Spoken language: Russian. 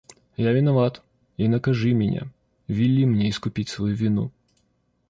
Я виноват, и накажи меня, вели мне искупить свою вину.